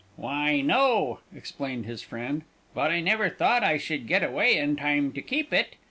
"Why, no," explained his friend; "but I never thought I should get away in time to keep it.